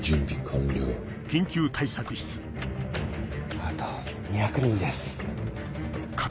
あと２００人です。